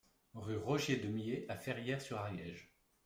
Rue Roger Deumié à Ferrières-sur-Ariège